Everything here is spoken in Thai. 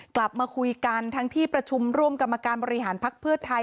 กลับมาคุยกันทั้งที่ประชุมร่วมกรรมการบริหารภักดิ์เพื่อไทย